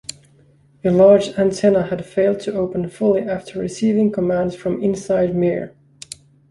The large antenna had failed to open fully after receiving commands from inside Mir.